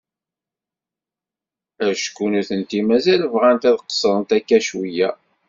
Acku nutenti mazal bɣant ad qesrent akka cwiay.